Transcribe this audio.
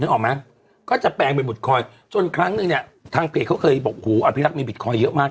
ออกไหมก็จะแปลงเป็นบทคอยจนครั้งนึงเนี่ยทางเพจเขาเคยบอกหูอภิรักษ์มีบิตคอยนเยอะมาก